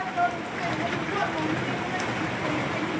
ใช่ไหม